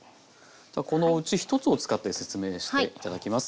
じゃあこのうち１つを使って説明して頂きます。